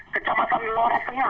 kecamatan lorat tengah